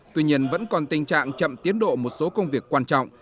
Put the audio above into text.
tuy nhiên vẫn còn tình trạng chậm tiến độ một số công việc quan trọng